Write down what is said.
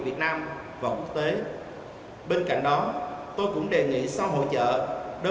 việt nam và quốc tế bên cạnh đó tôi cũng đề nghị sau hội trợ đưa